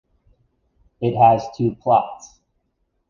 It has two plots.